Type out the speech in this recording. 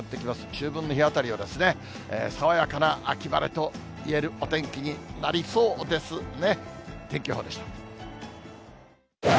秋分の日あたりは爽やかな秋晴れといえるお天気になりそうですね。